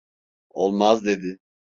"Olmaz" dedi...